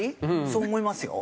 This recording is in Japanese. そう思いますよ